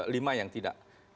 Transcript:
lima yang tidak